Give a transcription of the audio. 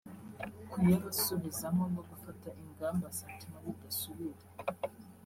kuyabasubizamo no gufata ingamba zatuma bidasubira